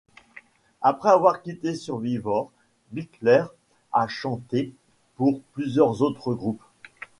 Après avoir quitté Survivor, Bickler a chanté pour plusieurs autres groupes.